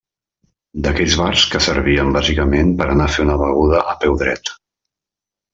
D'aquells bars que servien bàsicament per a anar a fer beguda a peu dret.